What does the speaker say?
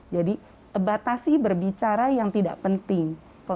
batasi berbicara yang tidak penting